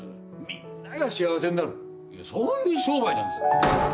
みんなが幸せになるそういう商売なんです！